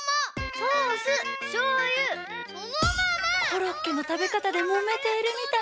コロッケのたべかたでもめているみたい！